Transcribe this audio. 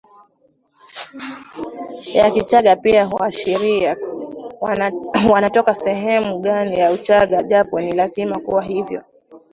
ya Kichagga pia huashiria wanatoka sehemu gani ya Uchaga japo si lazima kuwa hivyo